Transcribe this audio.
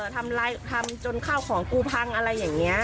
ทำจนข้าวของกูพังอะไรอย่างนี้